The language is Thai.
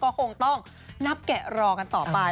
ก็คงต้องนับแกะรอกันต่อไป